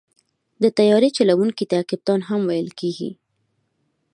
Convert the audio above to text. د طیارې چلوونکي ته کپتان هم ویل کېږي.